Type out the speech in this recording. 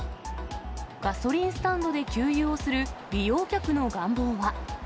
ガソリンスタンドで給油をする利用客の願望は。